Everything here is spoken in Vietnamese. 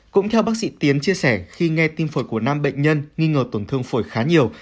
cũng theo bác sĩ tiến chia sẻ khi nghe tin phổi của năm bệnh nhân nghi ngờ tổn thương phổi khá nhiều